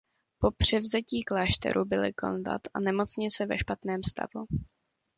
Po převzetí klášteru byly konvent a nemocnice ve špatném stavu.